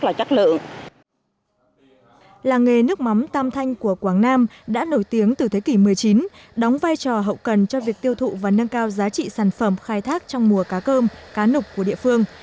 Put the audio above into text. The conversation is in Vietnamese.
làng nghề nước mắm tam thanh của quảng nam đã nổi tiếng từ thế kỷ một mươi chín đóng vai trò hậu cần cho việc tiêu thụ và nâng cao giá trị sản phẩm khai thác trong mùa cá cơm cá nục của địa phương